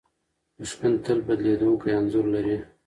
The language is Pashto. دښمن تل بدلېدونکی انځور لري.